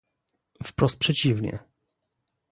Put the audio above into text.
Wprost przeciwnie